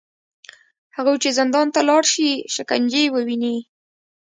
هغوی چې زندان ته لاړ شي، شکنجې وویني